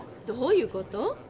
どういうこと？